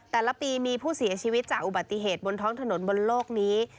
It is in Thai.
แต่ละปีมีผู้เสียชีวิตจากอุบัติเหตุบนท้องถนนบนโลกนี้